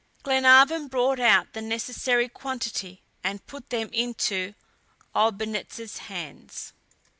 Glenarvan brought out the necessary quantity and put them into Olbinett's hands.